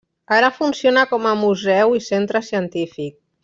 Ara funciona com a museu i centre científic.